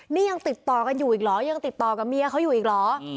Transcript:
นี่ยังติดต่อกันอยู่อีกเหรอยังติดต่อกับเมียเขาอยู่อีกเหรอ